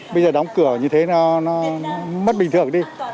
bây giờ đóng cửa như thế nó mất bình thường đi